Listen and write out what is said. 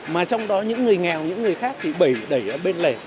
mà trong đó những người nghèo những người khác thì bẩy đẩy bên lề